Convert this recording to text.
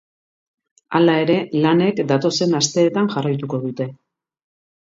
Hala ere, lanek datozen asteetan jarraituko dute.